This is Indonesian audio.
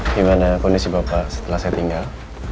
gimana kondisi bapak setelah saya tinggal